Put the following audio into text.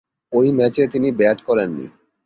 ঐ ম্যাচে তিনি ব্যাট করেননি।